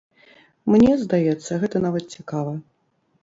Мне здаецца, гэта нават цікава.